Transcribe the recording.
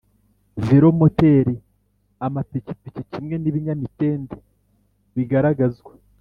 velomoteri, Amapikipiki kimwe n’ibinya mitende bigaragazwa